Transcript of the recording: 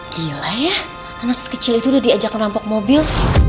gila ya anak sekecil itu udah diajak merampok mobil